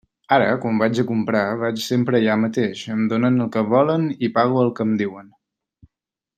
Ara, quan vaig a comprar, vaig sempre allà mateix, em donen el que volen i pago el que em diuen.